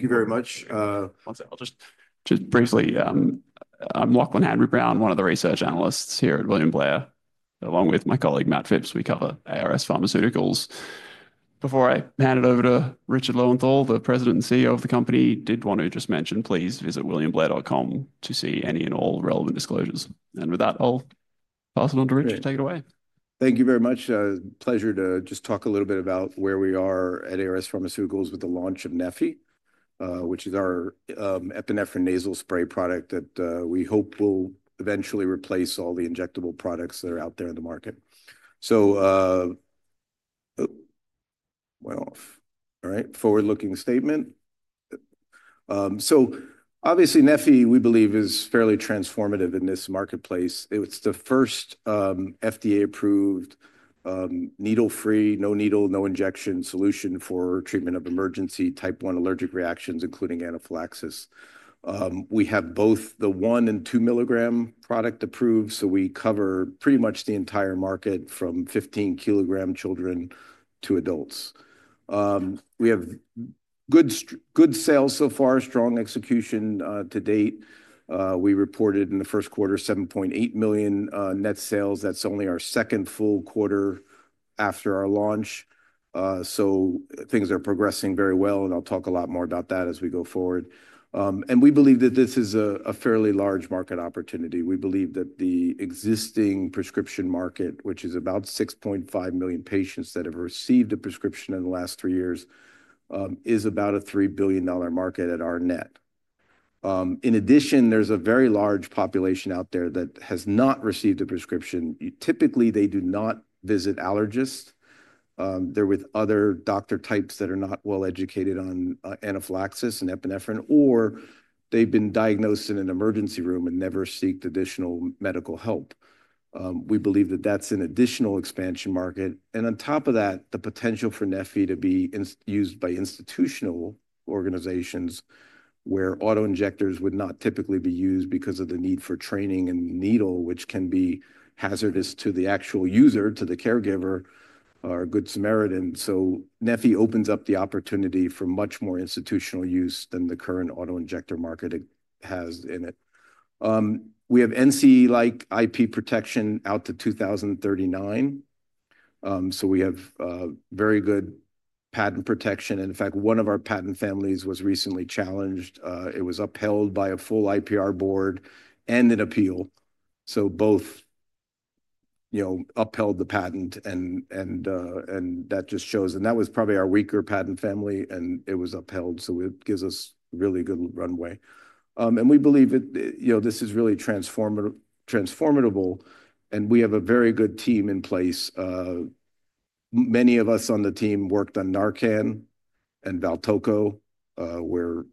Thank you very much. I'll just briefly, I'm Lachlan Henry Brown, one of the research analysts here at William Blair, along with my colleague Matt Phipps. We cover ARS Pharmaceuticals. Before I hand it over to Richard Lowenthal, the President and CEO of the company, did want to just mention, please visit williamblair.com to see any and all relevant disclosures. With that, I'll pass it on to Richard. Take it away. Thank you very much. Pleasure to just talk a little bit about where we are at ARS Pharmaceuticals with the launch of neffy, which is our epinephrine nasal spray product that we hope will eventually replace all the injectable products that are out there in the market. All right, forward-looking statement. Obviously, neffy, we believe, is fairly transformative in this marketplace. It's the first FDA-approved needle-free, no needle, no injection solution for treatment of emergency type one allergic reactions, including anaphylaxis. We have both the 1 and 2 milligram product approved. We cover pretty much the entire market from 15 kg children to adults. We have good sales so far, strong execution to date. We reported in the first quarter, $7.8 million net sales. That's only our second full quarter after our launch. Things are progressing very well. I'll talk a lot more about that as we go forward. We believe that this is a fairly large market opportunity. We believe that the existing prescription market, which is about 6.5 million patients that have received a prescription in the last three years, is about a $3 billion market at our net. In addition, there's a very large population out there that has not received a prescription. Typically, they do not visit allergists. They're with other doctor types that are not well educated on anaphylaxis and epinephrine, or they've been diagnosed in an emergency room and never seeked additional medical help. We believe that that's an additional expansion market. On top of that, the potential for neffy to be used by institutional organizations where auto injectors would not typically be used because of the need for training and needle, which can be hazardous to the actual user, to the caregiver, or a good samaritan. Neffy opens up the opportunity for much more institutional use than the current auto injector market has in it. We have NCE-like IP protection out to 2039. We have very good patent protection. In fact, one of our patent families was recently challenged. It was upheld by a full IPR board and an appeal. Both upheld the patent. That just shows, and that was probably our weaker patent family, and it was upheld. It gives us a really good runway. We believe this is really transformative. We have a very good team in place. Many of us on the team worked on Narcan and Valtoco, where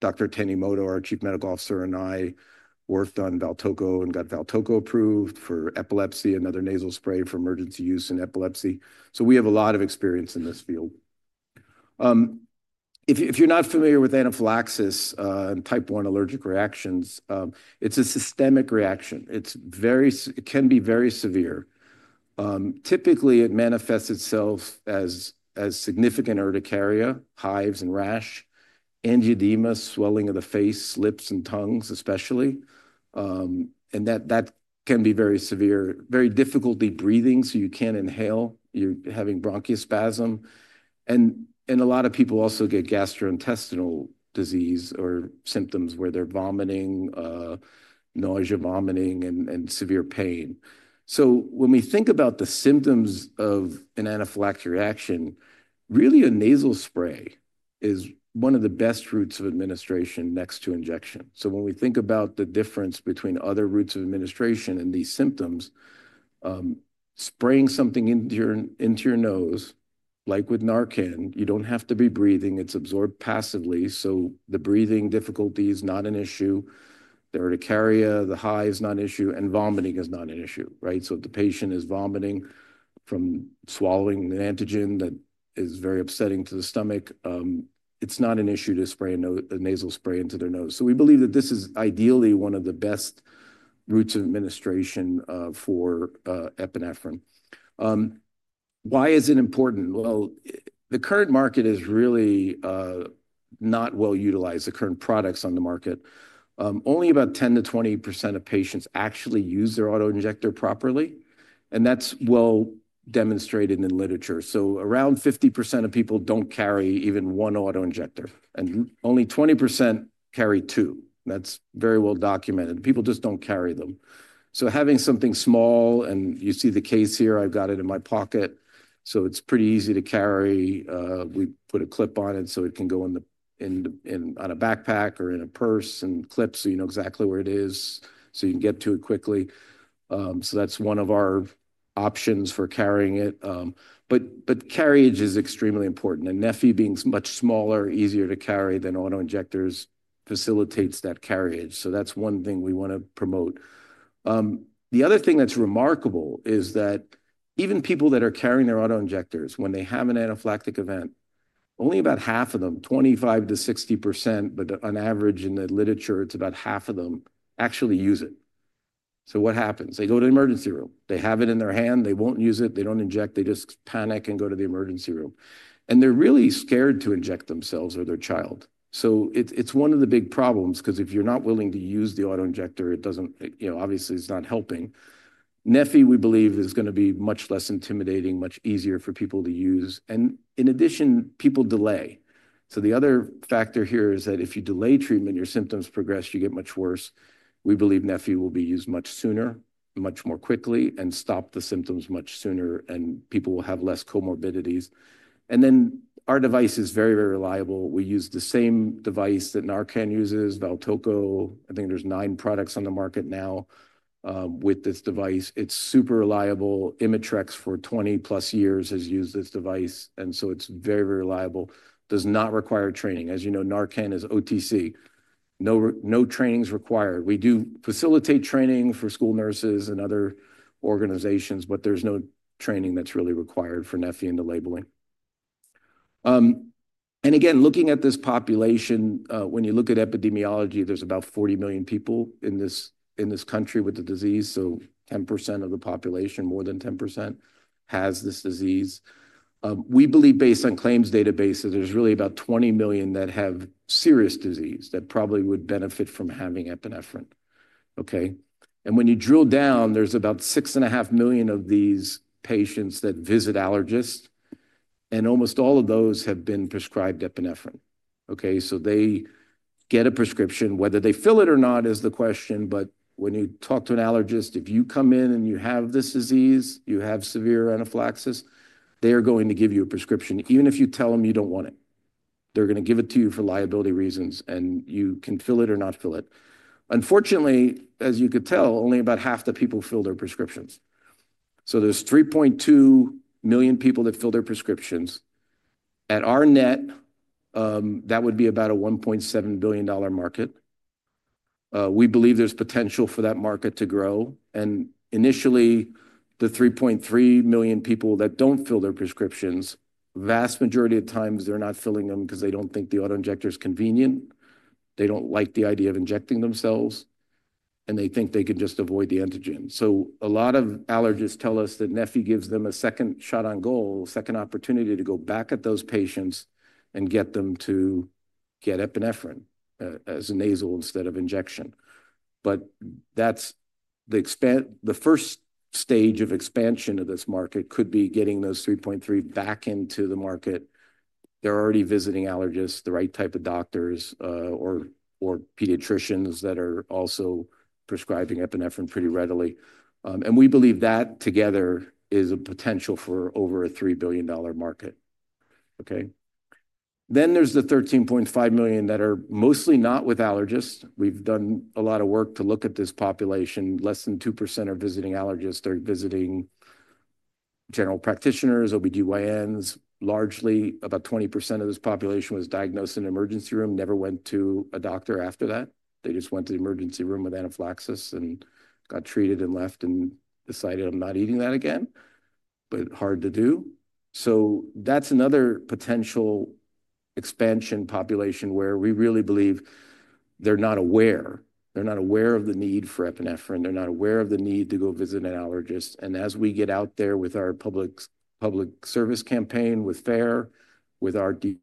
Dr. Tenimoto, our Chief Medical Officer, and I worked on Valtoco and got Valtoco approved for epilepsy and other nasal spray for emergency use in epilepsy. We have a lot of experience in this field. If you're not familiar with anaphylaxis and type one allergic reactions, it's a systemic reaction. It can be very severe. Typically, it manifests itself as significant urticaria, hives and rash, angioedema, swelling of the face, lips, and tongues, especially. That can be very severe, very difficulty breathing. You can't inhale. You're having bronchospasm. A lot of people also get gastrointestinal disease or symptoms where they're vomiting, nausea, vomiting, and severe pain. When we think about the symptoms of an anaphylactic reaction, really a nasal spray is one of the best routes of administration next to injection. When we think about the difference between other routes of administration and these symptoms, spraying something into your nose, like with Narcan, you do not have to be breathing. It is absorbed passively. The breathing difficulty is not an issue. The urticaria, the hives, not an issue, and vomiting is not an issue. Right? If the patient is vomiting from swallowing an antigen that is very upsetting to the stomach, it is not an issue to spray a nasal spray into their nose. We believe that this is ideally one of the best routes of administration for epinephrine. Why is it important? The current market is really not well utilized, the current products on the market. Only about 10%-20% of patients actually use their auto injector properly. That is well demonstrated in the literature. Around 50% of people don't carry even one auto injector, and only 20% carry two. That's very well documented. People just don't carry them. Having something small, and you see the case here, I've got it in my pocket. It's pretty easy to carry. We put a clip on it so it can go in a backpack or in a purse and clip so you know exactly where it is so you can get to it quickly. That's one of our options for carrying it. Carriage is extremely important. Neffy being much smaller, easier to carry than auto injectors facilitates that carriage. That's one thing we want to promote. The other thing that's remarkable is that even people that are carrying their auto injectors, when they have an anaphylactic event, only about half of them, 25%-60%, but on average in the literature, it's about half of them actually use it. What happens? They go to the emergency room. They have it in their hand. They won't use it. They don't inject. They just panic and go to the emergency room. They're really scared to inject themselves or their child. It's one of the big problems because if you're not willing to use the auto injector, obviously, it's not helping. neffy, we believe, is going to be much less intimidating, much easier for people to use. In addition, people delay. The other factor here is that if you delay treatment, your symptoms progress, you get much worse. We believe neffy will be used much sooner, much more quickly, and stop the symptoms much sooner, and people will have less comorbidities. Our device is very, very reliable. We use the same device that Narcan uses, Valtoco. I think there's nine products on the market now with this device. It's super reliable. Imitrex for 20+ years has used this device. It's very, very reliable. Does not require training. As you know, Narcan is OTC. No training is required. We do facilitate training for school nurses and other organizations, but there's no training that's really required for neffy in the labeling. Again, looking at this population, when you look at epidemiology, there's about 40 million people in this country with the disease. 10% of the population, more than 10%, has this disease. We believe, based on claims databases, there's really about 20 million that have serious disease that probably would benefit from having epinephrine. Okay? And when you drill down, there's about 6.5 million of these patients that visit allergists. And almost all of those have been prescribed epinephrine. Okay? So they get a prescription, whether they fill it or not is the question. But when you talk to an allergist, if you come in and you have this disease, you have severe anaphylaxis, they are going to give you a prescription. Even if you tell them you don't want it, they're going to give it to you for liability reasons, and you can fill it or not fill it. Unfortunately, as you could tell, only about half the people fill their prescriptions. So there's 3.2 million people that fill their prescriptions. At our net, that would be about a $1.7 billion market. We believe there's potential for that market to grow. Initially, the 3.3 million people that don't fill their prescriptions, vast majority of times, they're not filling them because they don't think the auto injector is convenient. They don't like the idea of injecting themselves, and they think they can just avoid the antigen. A lot of allergists tell us that neffy gives them a second shot on goal, a second opportunity to go back at those patients and get them to get epinephrine as a nasal instead of injection. The first stage of expansion of this market could be getting those 3.3 back into the market. They're already visiting allergists, the right type of doctors or pediatricians that are also prescribing epinephrine pretty readily. We believe that together is a potential for over a $3 billion market. There is the 13.5 million that are mostly not with allergists. We have done a lot of work to look at this population. Less than 2% are visiting allergists. They are visiting general practitioners, OBGYNs. Largely, about 20% of this population was diagnosed in the emergency room, never went to a doctor after that. They just went to the emergency room with anaphylaxis and got treated and left and decided, "I'm not eating that again." Hard to do. That is another potential expansion population where we really believe they are not aware. They are not aware of the need for epinephrine. They are not aware of the need to go visit an allergist. As we get out there with our public service campaign with FAIR, with our DEAG,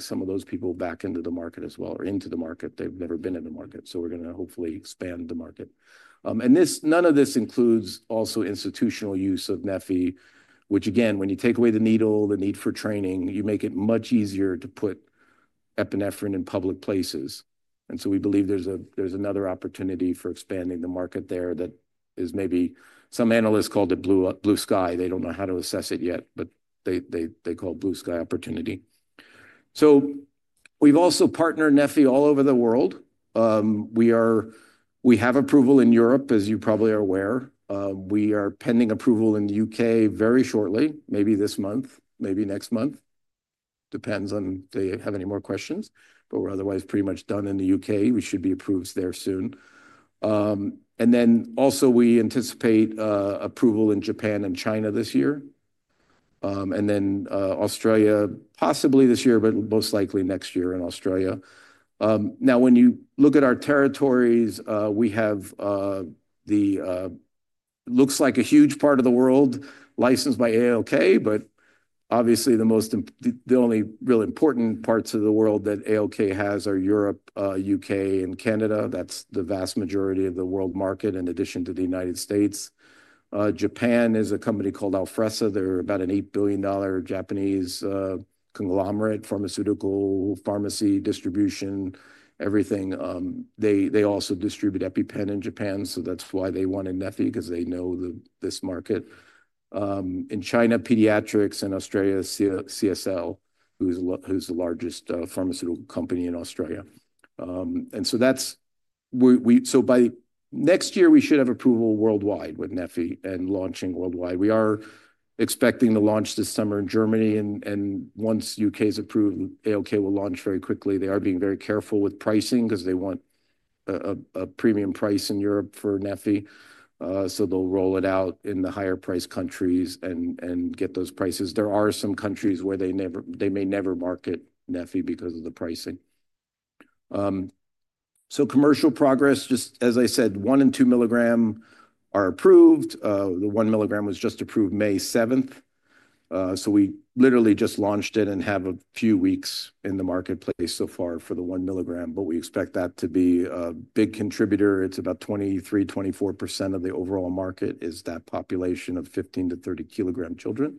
some of those people back into the market as well, or into the market. They've never been in the market. We are going to hopefully expand the market. None of this includes also institutional use of neffy, which, again, when you take away the needle, the need for training, you make it much easier to put epinephrine in public places. We believe there's another opportunity for expanding the market there that is maybe some analysts called it blue sky. They do not know how to assess it yet, but they call it blue sky opportunity. We have also partnered neffy all over the world. We have approval in Europe, as you probably are aware. We are pending approval in the U.K. very shortly, maybe this month, maybe next month. Depends on if they have any more questions, but we're otherwise pretty much done in the U.K. We should be approved there soon. We also anticipate approval in Japan and China this year. Australia, possibly this year, but most likely next year in Australia. Now, when you look at our territories, we have what looks like a huge part of the world licensed by ALK, but obviously the only real important parts of the world that ALK has are Europe, U.K., and Canada. That's the vast majority of the world market in addition to the United States. Japan is a company called Alfressa. They're about an $8 billion Japanese conglomerate, pharmaceutical, pharmacy, distribution, everything. They also distribute EpiPen in Japan. That's why they wanted neffy because they know this market. In China, Pediatrics, and Australia's CSL, who's the largest pharmaceutical company in Australia. By next year, we should have approval worldwide with neffy and launching worldwide. We are expecting to launch this summer in Germany. Once the U.K. is approved, ALK will launch very quickly. They are being very careful with pricing because they want a premium price in Europe for neffy. They will roll it out in the higher price countries and get those prices. There are some countries where they may never market neffy because of the pricing. Commercial progress, just as I said, one and two milligram are approved. The one milligram was just approved May 7th. We literally just launched it and have a few weeks in the marketplace so far for the one milligram, but we expect that to be a big contributor. It is about 23%-24% of the overall market is that population of 15-30 kg children.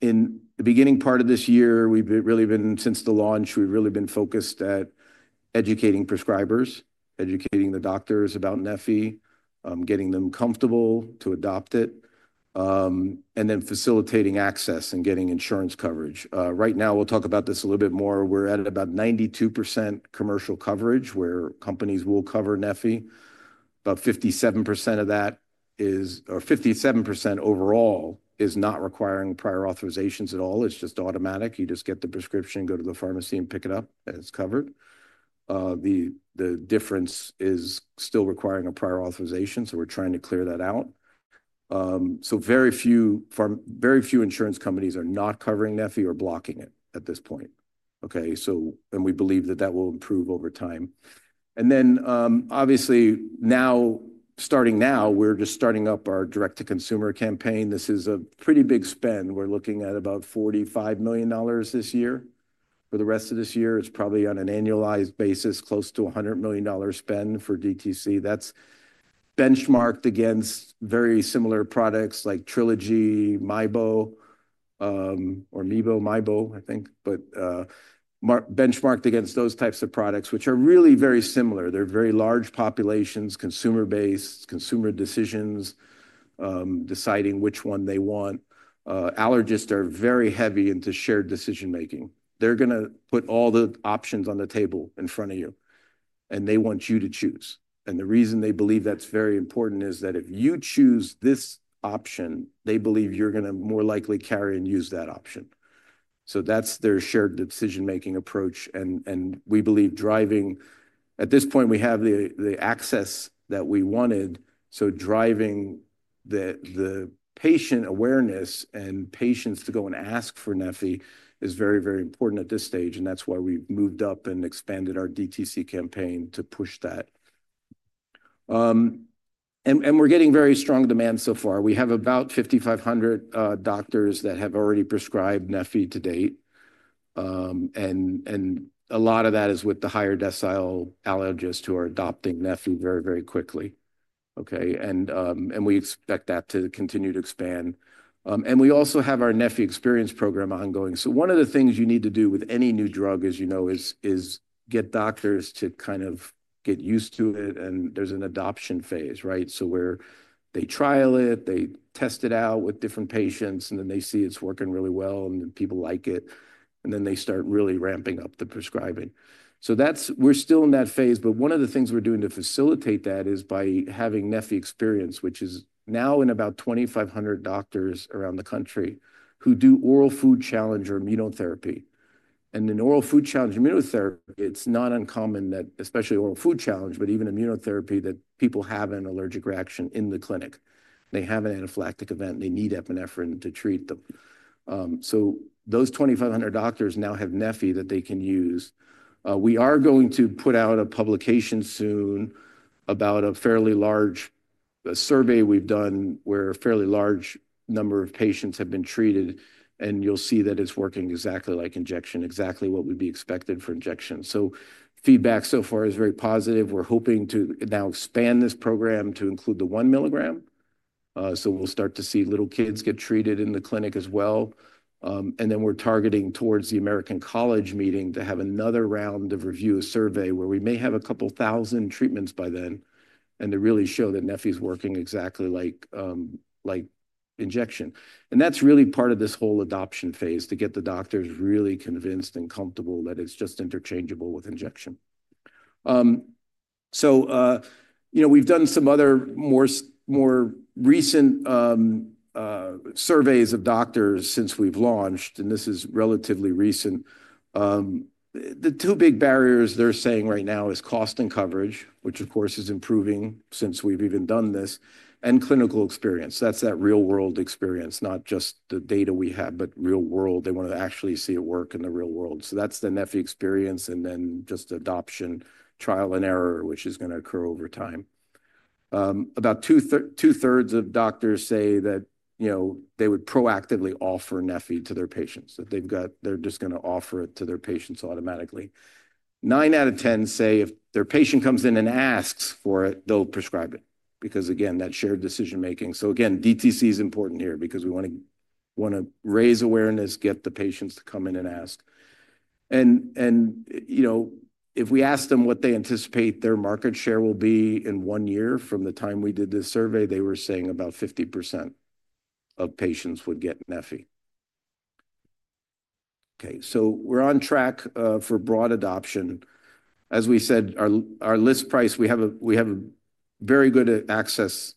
In the beginning part of this year, we've really been, since the launch, we've really been focused at educating prescribers, educating the doctors about neffy, getting them comfortable to adopt it, and then facilitating access and getting insurance coverage. Right now, we'll talk about this a little bit more. We're at about 92% commercial coverage where companies will cover neffy. About 57% of that, or 57% overall, is not requiring prior authorizations at all. It's just automatic. You just get the prescription, go to the pharmacy and pick it up, and it's covered. The difference is still requiring a prior authorization. We're trying to clear that out. Very few insurance companies are not covering neffy or blocking it at this point. Okay? We believe that that will improve over time. Obviously now, starting now, we're just starting up our direct-to-consumer campaign. This is a pretty big spend. We're looking at about $45 million this year. For the rest of this year, it's probably on an annualized basis, close to $100 million spend for DTC. That's benchmarked against very similar products like Trilogy, Mibo, I think, but benchmarked against those types of products, which are really very similar. They're very large populations, consumer-based, consumer decisions, deciding which one they want. Allergists are very heavy into shared decision-making. They're going to put all the options on the table in front of you, and they want you to choose. The reason they believe that's very important is that if you choose this option, they believe you're going to more likely carry and use that option. That's their shared decision-making approach. We believe driving, at this point, we have the access that we wanted. Driving the patient awareness and patients to go and ask for neffy is very, very important at this stage. That is why we've moved up and expanded our DTC campaign to push that. We're getting very strong demand so far. We have about 5,500 doctors that have already prescribed neffy to date. A lot of that is with the higher decile allergists who are adopting neffy very, very quickly. Okay? We expect that to continue to expand. We also have our neffy experience program ongoing. One of the things you need to do with any new drug, as you know, is get doctors to kind of get used to it. There's an adoption phase, right? Where they trial it, they test it out with different patients, and then they see it's working really well, and people like it. They start really ramping up the prescribing. We're still in that phase. One of the things we're doing to facilitate that is by having neffy experience, which is now in about 2,500 doctors around the country who do oral food challenge or immunotherapy. In oral food challenge immunotherapy, it's not uncommon that, especially oral food challenge, but even immunotherapy, people have an allergic reaction in the clinic. They have an anaphylactic event. They need epinephrine to treat them. Those 2,500 doctors now have neffy that they can use. We are going to put out a publication soon about a fairly large survey we've done where a fairly large number of patients have been treated. You'll see that it's working exactly like injection, exactly what would be expected for injection. Feedback so far is very positive. We're hoping to now expand this program to include the 1 mg. We'll start to see little kids get treated in the clinic as well. We're targeting towards the American College meeting to have another round of review, a survey where we may have a couple thousand treatments by then, and to really show that neffy is working exactly like injection. That's really part of this whole adoption phase to get the doctors really convinced and comfortable that it's just interchangeable with injection. We've done some other more recent surveys of doctors since we've launched, and this is relatively recent. The two big barriers they're saying right now are cost and coverage, which of course is improving since we've even done this, and clinical experience. That's that real-world experience, not just the data we have, but real-world. They want to actually see it work in the real world. So that's the neffy experience, and then just adoption, trial and error, which is going to occur over time. About two-thirds of doctors say that they would proactively offer neffy to their patients, that they're just going to offer it to their patients automatically. Nine out of 10 say if their patient comes in and asks for it, they'll prescribe it because, again, that shared decision-making. DTC is important here because we want to raise awareness, get the patients to come in and ask. If we ask them what they anticipate their market share will be in one year from the time we did this survey, they were saying about 50% of patients would get neffy. Okay. We're on track for broad adoption. As we said, our list price, we have a very good access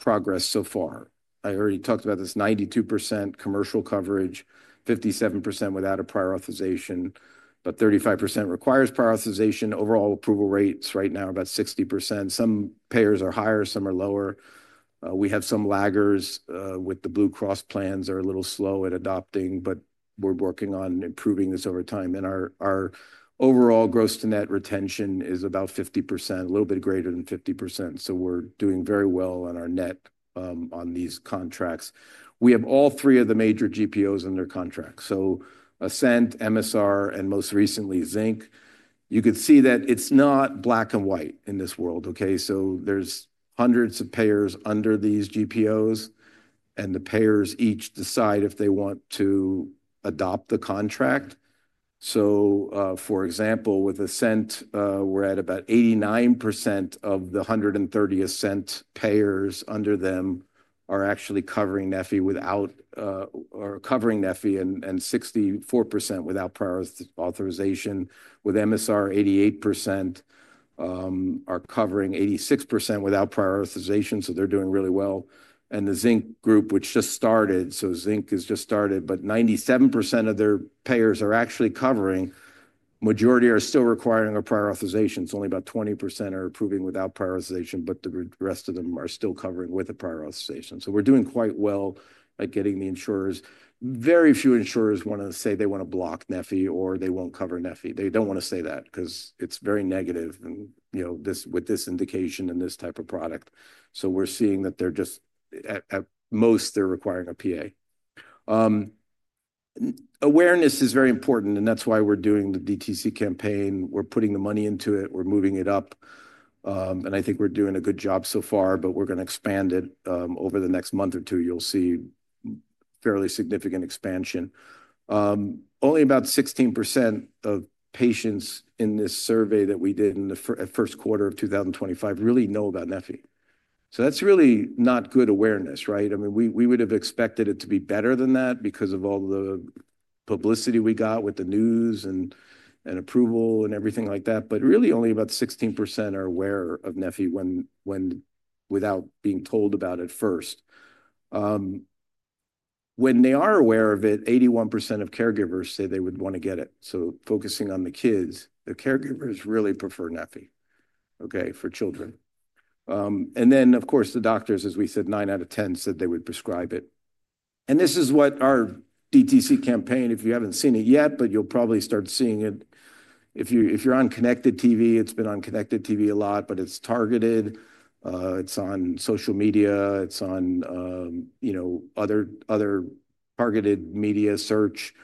progress so far. I already talked about this. 92% commercial coverage, 57% without a prior authorization, but 35% requires prior authorization. Overall approval rates right now are about 60%. Some payers are higher, some are lower. We have some laggers with the Blue Cross plans that are a little slow at adopting, but we're working on improving this over time. Our overall gross-to-net retention is about 50%, a little bit greater than 50%. We are doing very well on our net on these contracts. We have all three of the major GPOs under contract. Ascent, MSR, and most recently, Zinc. You could see that it's not black and white in this world. Okay? There are hundreds of payers under these GPOs, and the payers each decide if they want to adopt the contract. For example, with Ascent, we're at about 89% of the 130 Ascent payers under them are actually covering neffy or covering neffy, and 64% without prior authorization. With MSR, 88% are covering, 86% without prior authorization. They're doing really well. The Zinc group, which just started, so Zinc has just started, but 97% of their payers are actually covering. The majority are still requiring a prior authorization. It's only about 20% are approving without prior authorization, but the rest of them are still covering with a prior authorization. We're doing quite well at getting the insurers. Very few insurers want to say they want to block neffy or they won't cover neffy. They don't want to say that because it's very negative with this indication and this type of product. We're seeing that they're just, at most, they're requiring a PA. Awareness is very important, and that's why we're doing the DTC campaign. We're putting the money into it. We're moving it up. I think we're doing a good job so far, but we're going to expand it. Over the next month or two, you'll see fairly significant expansion. Only about 16% of patients in this survey that we did in the first quarter of 2025 really know about neffy. That's really not good awareness, right? I mean, we would have expected it to be better than that because of all the publicity we got with the news and approval and everything like that. Really, only about 16% are aware of neffy without being told about it first. When they are aware of it, 81% of caregivers say they would want to get it. Focusing on the kids, the caregivers really prefer neffy, okay, for children. Of course, the doctors, as we said, nine out of 10 said they would prescribe it. This is what our DTC campaign, if you have not seen it yet, but you will probably start seeing it. If you are on Connected TV, it has been on Connected TV a lot, but it is targeted. It is on social media. It is on other targeted media search.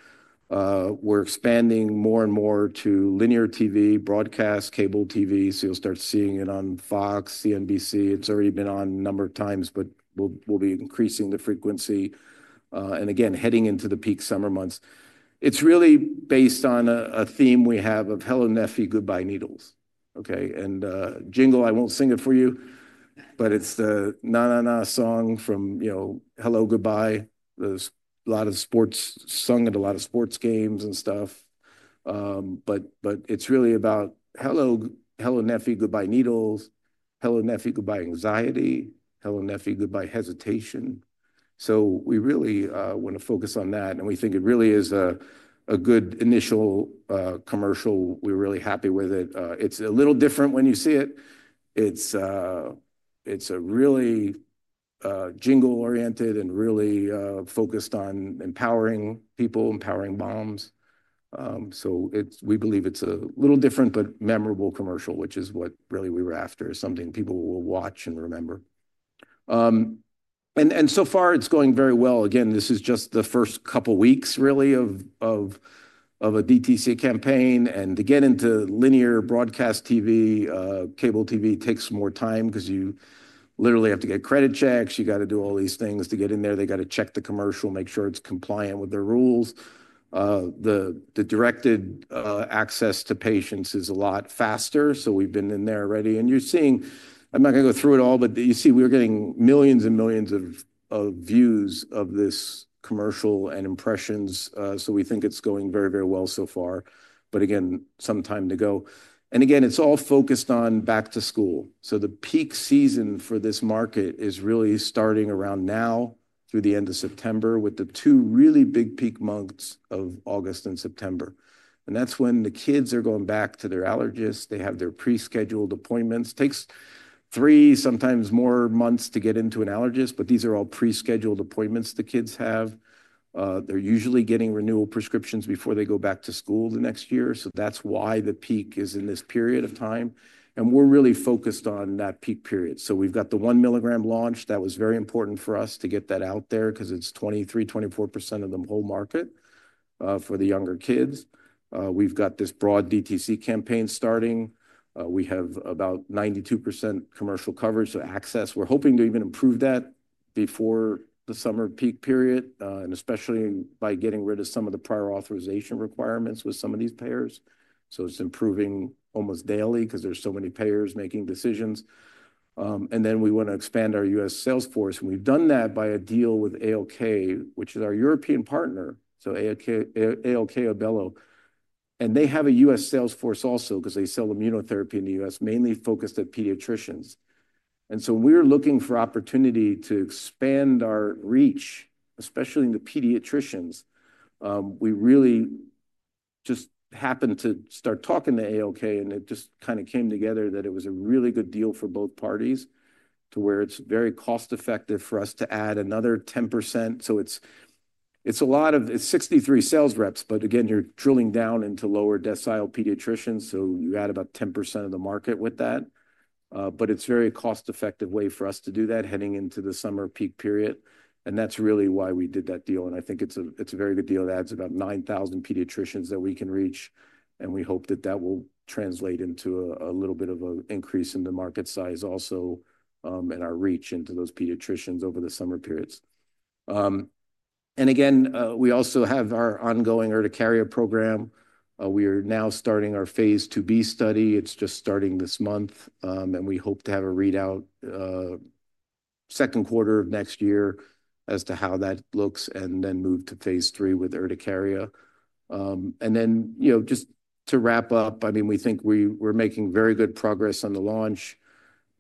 We are expanding more and more to linear TV, broadcast, cable TV. You will start seeing it on Fox, CNBC. It has already been on a number of times, but we will be increasing the frequency. Again, heading into the peak summer months. It is really based on a theme we have of Hello neffy, Goodbye Needles. Okay? The jingle, I will not sing it for you, but it is the na na na song from Hello Goodbye. There is a lot of it sung at a lot of sports games and stuff. It's really about Hello neffy, Goodbye Needles, Hello neffy, Goodbye Anxiety, Hello neffy, Goodbye Hesitation. We really want to focus on that. We think it really is a good initial commercial. We're really happy with it. It's a little different when you see it. It's really jingle-oriented and really focused on empowering people, empowering moms. We believe it's a little different but memorable commercial, which is what we were after, something people will watch and remember. So far, it's going very well. This is just the first couple of weeks, really, of a DTC campaign. To get into linear broadcast TV, cable TV takes more time because you literally have to get credit checks. You got to do all these things to get in there. They have to check the commercial, make sure it's compliant with their rules. The directed access to patients is a lot faster. We've been in there already. You're seeing, I'm not going to go through it all, but you see we're getting millions and millions of views of this commercial and impressions. We think it's going very, very well so far, but again, some time to go. It's all focused on back to school. The peak season for this market is really starting around now through the end of September with the two really big peak months of August and September. That's when the kids are going back to their allergist. They have their prescheduled appointments. It takes three, sometimes more, months to get into an allergist, but these are all prescheduled appointments the kids have. They're usually getting renewal prescriptions before they go back to school the next year. That's why the peak is in this period of time. We're really focused on that peak period. We've got the one mg launch. That was very important for us to get that out there because it's 23%-24% of the whole market for the younger kids. We've got this broad DTC campaign starting. We have about 92% commercial coverage. Access, we're hoping to even improve that before the summer peak period, especially by getting rid of some of the prior authorization requirements with some of these payers. It's improving almost daily because there are so many payers making decisions. We want to expand our U.S. salesforce. We've done that by a deal with ALK-Abelló, which is our European partner, so ALK-Abelló. They have a U.S. salesforce also because they sell immunotherapy in the U.S., mainly focused at pediatricians. We're looking for opportunity to expand our reach, especially in the pediatricians. We really just happened to start talking to ALK, and it just kind of came together that it was a really good deal for both parties to where it's very cost-effective for us to add another 10%. It's 63 sales reps, but again, you're drilling down into lower decile pediatricians. You add about 10% of the market with that. It's a very cost-effective way for us to do that heading into the summer peak period. That's really why we did that deal. I think it's a very good deal. It adds about 9,000 pediatricians that we can reach. We hope that will translate into a little bit of an increase in the market size also in our reach into those pediatricians over the summer periods. Again, we also have our ongoing ErtaCarya program. We are now starting our phase 2B study. It is just starting this month. We hope to have a readout second quarter of next year as to how that looks and then move to phase three with ErtaCarya. Just to wrap up, I mean, we think we are making very good progress on the launch.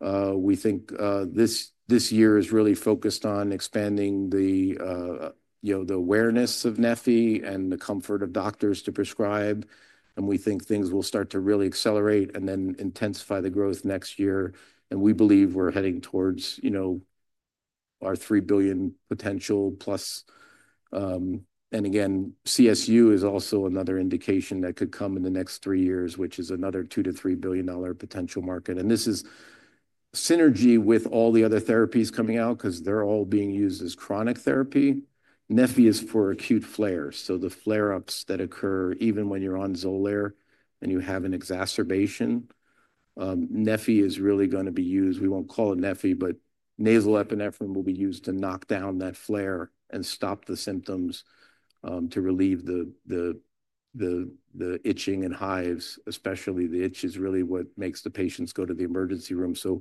We think this year is really focused on expanding the awareness of neffy and the comfort of doctors to prescribe. We think things will start to really accelerate and then intensify the growth next year. We believe we are heading towards our $3 billion potential +. Again, CSU is also another indication that could come in the next three years, which is another $2 billion-$3 billion potential market. This is synergy with all the other therapies coming out because they're all being used as chronic therapy. neffy is for acute flares. The flare-ups that occur even when you're on Xolair and you have an exacerbation. neffy is really going to be used, we won't call it neffy, but nasal epinephrine will be used to knock down that flare and stop the symptoms to relieve the itching and hives, especially the itch is really what makes the patients go to the emergency room. We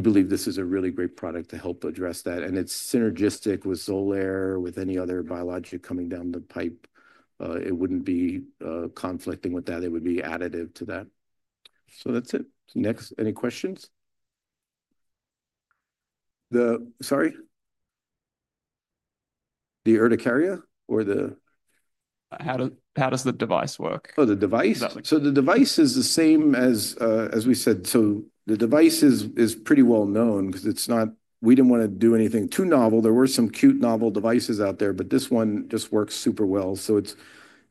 believe this is a really great product to help address that. It is synergistic with Xolair, with any other biologic coming down the pipe. It wouldn't be conflicting with that. It would be additive to that. That's it. Next, any questions? Sorry? The urticaria or the? How does the device work? Oh, the device? The device is the same as we said. The device is pretty well known because it's not, we didn't want to do anything too novel. There were some cute novel devices out there, but this one just works super well. It's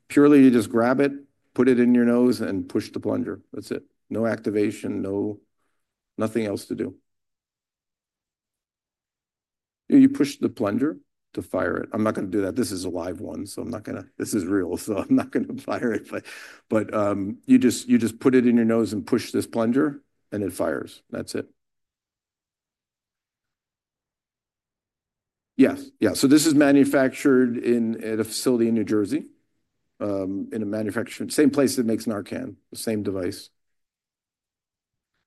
purely you just grab it, put it in your nose, and push the plunger. That's it. No activation, nothing else to do. You push the plunger to fire it. I'm not going to do that. This is a live one, so I'm not going to, this is real, so I'm not going to fire it. You just put it in your nose and push this plunger, and it fires. That's it. Yes. Yeah. This is manufactured at a facility in New Jersey, in a manufacturer, same place that makes Narcan, the same device.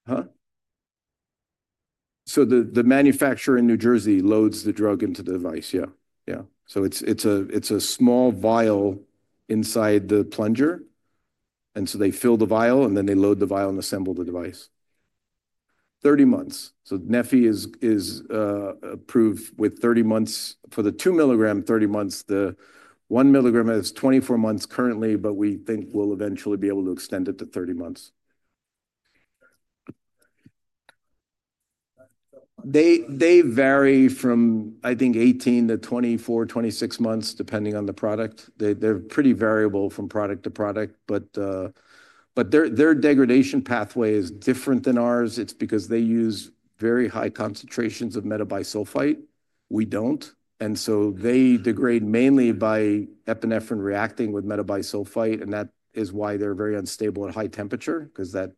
Huh? The manufacturer in New Jersey loads the drug into the device. Yeah. Yeah. It's a small vial inside the plunger. They fill the vial, and then they load the vial and assemble the device. Thirty months. Neffy is approved with 30 months for the two milligram, 30 months. The 1 milligram has 24 months currently, but we think we'll eventually be able to extend it to 30 months. They vary from, I think, 18-24, 26 months depending on the product. They're pretty variable from product to product. Their degradation pathway is different than ours. It's because they use very high concentrations of metabisulfite. We don't. They degrade mainly by epinephrine reacting with metabisulfite. That is why they're very unstable at high temperature because that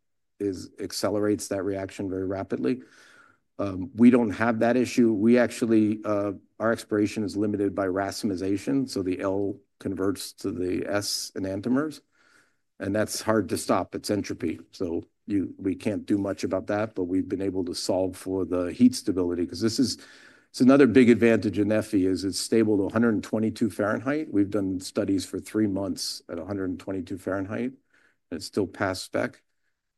accelerates that reaction very rapidly. We don't have that issue. We actually, our expiration is limited by racemization. So the L converts to the S in anthemers. And that's hard to stop. It's entropy. So we can't do much about that, but we've been able to solve for the heat stability because this is, it's another big advantage in neffy is it's stable to 122 degrees Fahrenheit. We've done studies for three months at 122 degrees Fahrenheit. It's still past spec.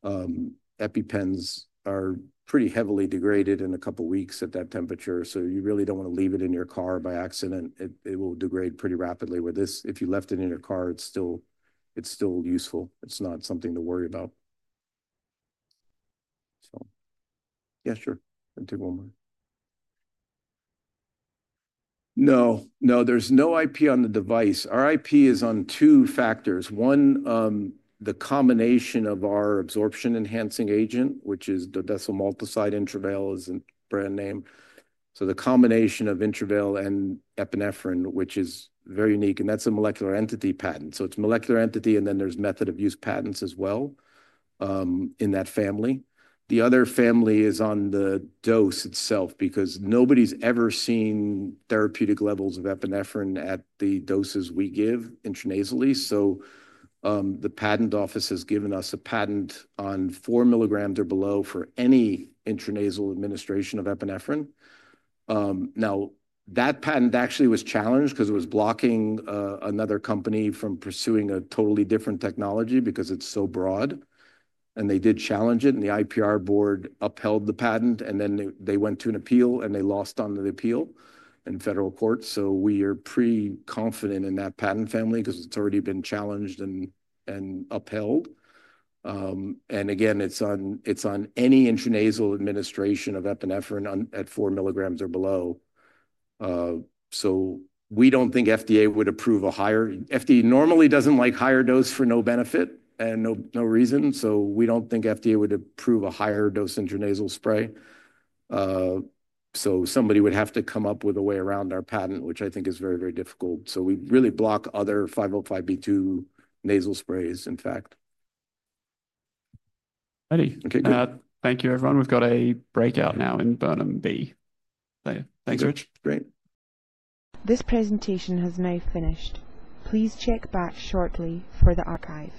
EpiPens are pretty heavily degraded in a couple of weeks at that temperature. You really don't want to leave it in your car by accident. It will degrade pretty rapidly with this. If you left it in your car, it's still useful. It's not something to worry about. Yeah, sure. I'll take one more. No, no, there's no IP on the device. Our IP is on two factors. One, the combination of our absorption enhancing agent, which is the Desamaltoside Interval is a brand name. The combination of Interval and epinephrine, which is very unique, and that's a molecular entity patent. It is molecular entity, and then there's method of use patents as well in that family. The other family is on the dose itself because nobody's ever seen therapeutic levels of epinephrine at the doses we give intranasally. The patent office has given us a patent on four milligrams or below for any intranasal administration of epinephrine. That patent actually was challenged because it was blocking another company from pursuing a totally different technology because it's so broad. They did challenge it, and the IPR board upheld the patent, and then they went to an appeal, and they lost on the appeal in federal court. We are pretty confident in that patent family because it's already been challenged and upheld. Again, it's on any intranasal administration of epinephrine at four milligrams or below. We don't think FDA would approve a higher, FDA normally doesn't like higher dose for no benefit and no reason. We don't think FDA would approve a higher dose intranasal spray. Somebody would have to come up with a way around our patent, which I think is very, very difficult. We really block other 505B2 nasal sprays, in fact. Ready? Okay. Thank you, everyone. We've got a breakout now in Burnham B. Thanks, Richard. Great. This presentation has now finished. Please check back shortly for the archive.